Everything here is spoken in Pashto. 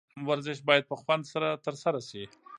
ورزش باید په خوند سره ترسره شي.